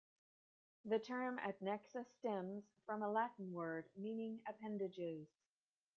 The term adnexa stems from a Latin word meaning appendages.